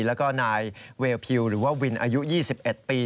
แล้วก็นายเวลพิวหรือว่าวินอายุ๒๑ปี